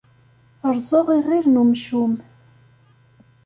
Rreẓ iɣil n umcum.